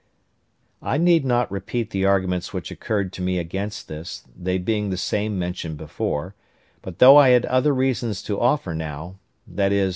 I need not repeat the arguments which occurred to me against this, they being the same mentioned before; but though I had other reasons to offer now—viz.